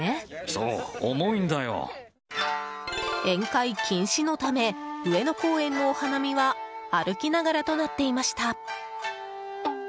宴会禁止のため上野公園のお花見は歩きながらとなっていました。